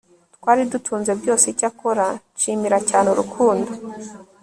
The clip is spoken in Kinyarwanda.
twari dutunze byose Icyakora nshimira cyane urukundo